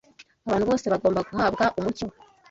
Abantu bose bagomba guhabwa umucyo